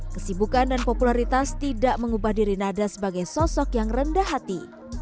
kesibukan dan popularitas tidak mengubah diri nada sebagai sosok yang rendah hati